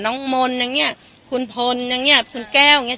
น้องมนต์อย่างเงี้ยคุณพลอย่างเงี้ยคุณแก้วอย่างเงี้